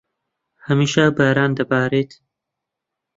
هەمیشە باران دەبارێت.